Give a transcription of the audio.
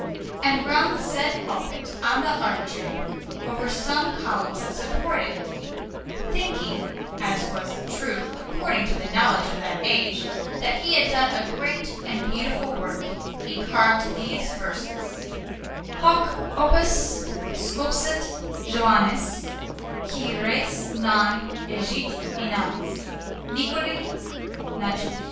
And round the said pulpit, on the architrave, over some columns that support it, thinking (as was the truth, according to the knowledge of that age) that he had done a great and beautiful work, he carved these verses: HOC OPUS SCULPSIT JOANNES, QUI RES NON EGIT INANES, NICOLI NATUS